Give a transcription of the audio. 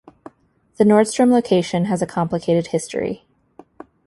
The Nordstrom location has a complicated history.